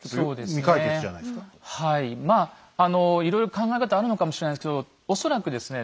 まあいろいろ考え方あるのかもしれないですけど恐らくですね